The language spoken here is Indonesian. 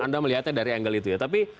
anda melihatnya dari angle itu ya tapi